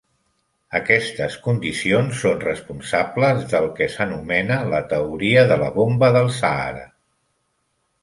Aquestes condicions són responsables del que s'anomena la teoria de la bomba del Sàhara.